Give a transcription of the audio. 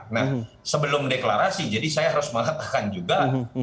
nah sebelum deklarasi jadi saya harus mengatakan juga